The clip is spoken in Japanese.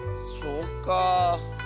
そうか。